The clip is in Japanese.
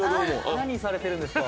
何されてるんですか？